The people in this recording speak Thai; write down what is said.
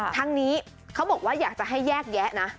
ทั้งนี้เขาบอกว่าอยากจะให้แยกแยะนะ